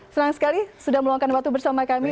senang sekali sudah meluangkan waktu bersama kami